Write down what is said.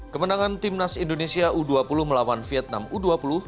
kemenangan timnas indonesia u dua puluh melawan vietnam u dua puluh